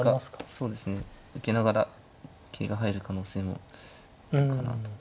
そうですね受けながら桂が入る可能性もあるかなと思って。